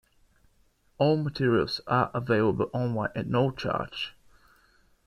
All materials are available online at no charge.